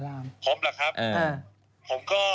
ผมเหรอครับ